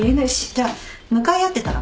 じゃあ向かい合ってたら？